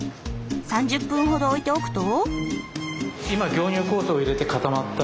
３０分ほど置いておくと。